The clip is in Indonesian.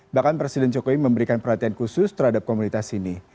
bahkan presiden jokowi memberikan perhatian khusus terhadap komunitas ini